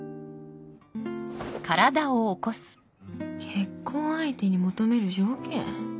結婚相手に求める条件？